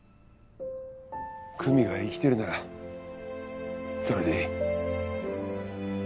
久実が生きてるならそれでいい。